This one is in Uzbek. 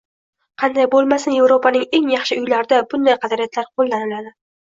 Qanday bo'lmasin, "Evropaning eng yaxshi uylarida" bunday qadriyatlar qo'llaniladi